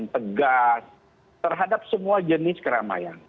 tegas terhadap semua jenis keramaian